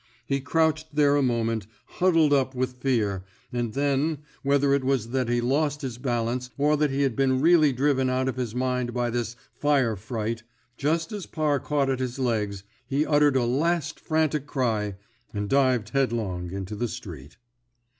He crouched there 23 \ THE SMOKE EATERS a momenty hnddled up with fear, and then — whether it was that he lost his balance, or that he had been really driven out of his mind by this fire fright ''— just as Parr caught at his legs, he uttered a last frantic cry, and dived headlong into the street.